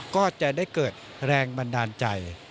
ก็จะได้เกิดแรงบันดาลใจ